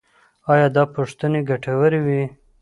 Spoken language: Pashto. ایا دا پوښتنې ګټورې وې؟